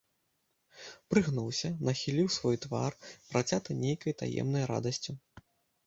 Прыгнуўся, нахіліў свой твар, працяты нейкай таемнай радасцю.